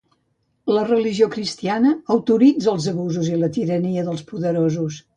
La religió cristiana autoritza els abusos i la tirania dels poderosos.